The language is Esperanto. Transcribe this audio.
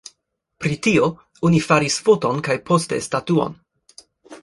Pri tio oni faris foton kaj poste statuon.